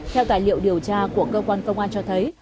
theo tài liệu điều tra của cơ quan công an cho thấy